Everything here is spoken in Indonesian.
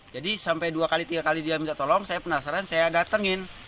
jadi sampai dua kali tiga kali dia minta tolong saya penasaran saya datangin